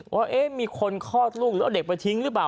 ว่ามีคนคลอดลูกหรือเอาเด็กไปทิ้งหรือเปล่า